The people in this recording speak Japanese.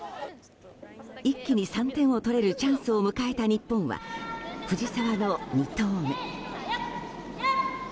一気に３点を取れるチャンスを迎えた日本は藤澤の２投目。